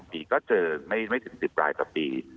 บางปีก็เจอไม่ถึงสิบหลายต่อปี